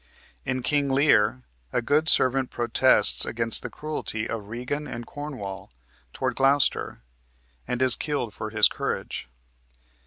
In "King Lear" a good servant protests against the cruelty of Regan and Cornwall toward Gloucester, and is killed for his courage.